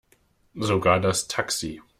Sogar das Taxi.